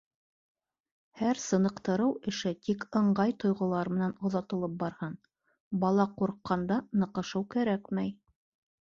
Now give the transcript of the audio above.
Һәр сыныҡтырыу эше тик ыңғай тойғолар менән оҙатылып барһын; бала ҡурҡҡанда ныҡышыу кәрәкмәй.